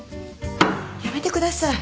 やめてください。